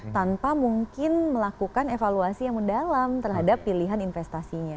tanpa mungkin melakukan evaluasi yang mendalam terhadap pilihan investasinya